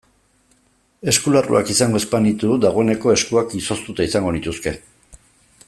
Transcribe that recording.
Eskularruak izango ez banitu dagoeneko eskuak izoztuta izango nituzke.